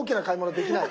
できない？